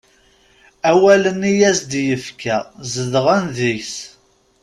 Awalen i as-d-yefka zedɣen deg-s.